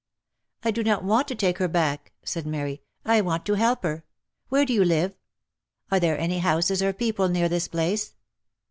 « I do not want to take her back," said Mary, " I want to help her. Where do you live ? Are there any houses or people near this place